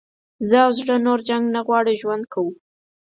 زه او زړه نور جنګ نه غواړو ژوند کوو.